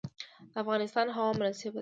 د افغانستان هوا مناسبه ده.